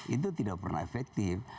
itu tidak pernah efektif